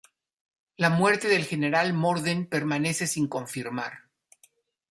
La muerte del General Morden permanece sin confirmar.